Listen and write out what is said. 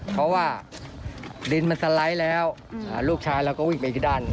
เพราะว่าดินมันสไลด์แล้วลูกชายเราก็วิ่งไปที่ด้าน